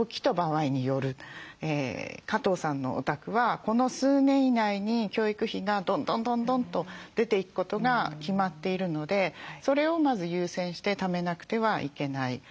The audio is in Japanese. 加藤さんのお宅はこの数年以内に教育費がどんどんどんどんと出ていくことが決まっているのでそれをまず優先してためなくてはいけない。